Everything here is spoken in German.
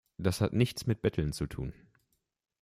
Das hat nichts mit betteln zu tun.